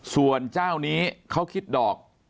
ส่วนเจ้านี้เขาคิดดอก